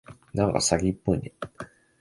なんか詐欺っぽいね。